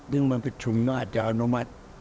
เรื่องมันเป็นชุมนวัฒน์จากอนุมัติ